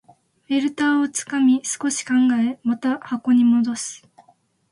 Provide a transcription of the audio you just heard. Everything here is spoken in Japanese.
フィルターをつまみ、少し考え、また箱に戻す